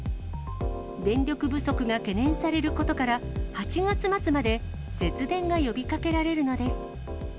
電力不足が懸念されることから、８月末まで節電が呼びかけられるのです。